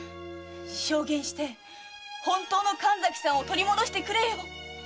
証言して本当の神崎さんを取り戻してくれよ！